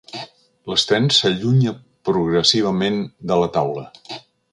L'Sten s'allunya progressivament de la taula.